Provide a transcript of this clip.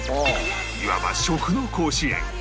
いわば食の甲子園